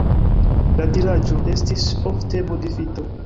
La diraĵo estis ofte modifita.